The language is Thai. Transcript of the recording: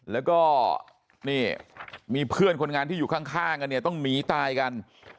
แล้วก็นี่มีเพื่อนคนงานที่อยู่ข้างกันเนี่ยต้องหนีตายกัน